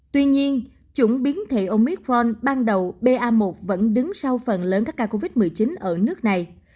tuy nhiên chủng biến thể omithront ban đầu ba vẫn đứng sau phần lớn các ca covid một mươi chín ở nước này